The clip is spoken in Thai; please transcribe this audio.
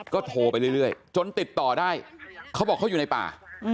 ก็โทรไปเรื่อยจนติดต่อได้เขาบอกเขาอยู่ในป่า